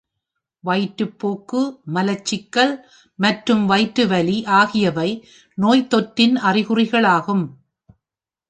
வயிற்றுப்போக்கு, மலச்சிக்கல் மற்றும் வயிற்று வலி ஆகியவை நோய்த்தொற்றின் அறிகுறிகளாகும்.